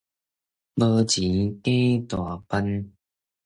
無錢假大方